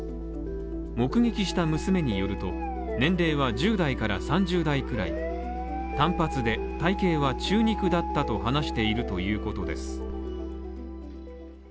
目撃した娘によると、年齢は１０代から３０代くらいで、短髪で体型は中肉だったと話しているということです。